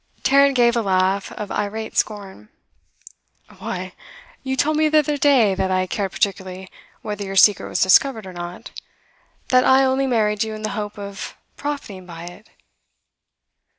Tarrant gave a laugh of irate scorn. 'Why, you told me the other day that I cared particularly whether your secret was discovered or not that I only married you in the hope of profiting by it?